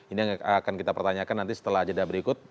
ini yang akan kita pertanyakan nanti setelah jeda berikut